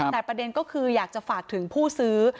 แต่ประเด็นก็คืออยากจะฝากถึงผู้ซื้อ